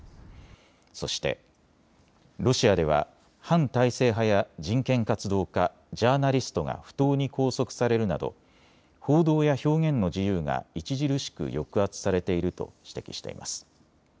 そしてロシアでは反体制派や人権活動家、ジャーナリストが不当に拘束されるなど行動や表現の自由が著しく抑圧されていると指摘しています。